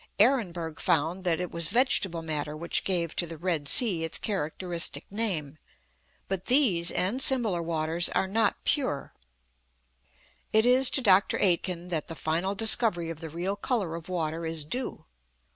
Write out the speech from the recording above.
Ehrenberg found that it was vegetable matter which gave to the Red Sea its characteristic name. But these, and similar waters, are not pure. It is to Dr. Aitken that the final discovery of the real colour of water is due.